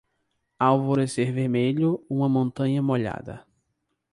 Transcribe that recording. Alvorecer vermelho - uma montanha molhada.